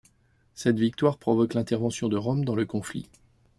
Cette victoire provoque l'intervention de Rome dans le conflit.